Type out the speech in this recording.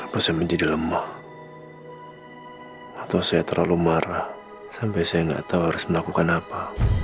bisa menjadi lemah atau saya terlalu marah sampai saya nggak tahu harus melakukan apa